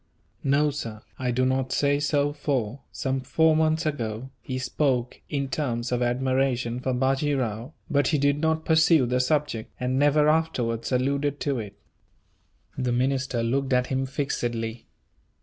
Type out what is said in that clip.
"No, sir, I do not say so for, some four months ago, he spoke in terms of admiration for Bajee Rao; but he did not pursue the subject, and never afterwards alluded to it." The minister looked at him fixedly.